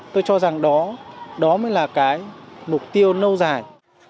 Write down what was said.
tôi cho rằng đó đó mới là cái mục tiêu lâu dài